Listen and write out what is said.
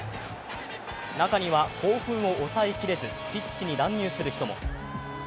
中には興奮を抑えきれずピッチに乱入する人も。